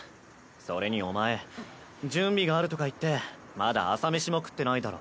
それにお前準備があるとか言ってまだ朝飯も食ってないだろ。